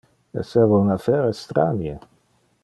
Esseva un affaire estranie.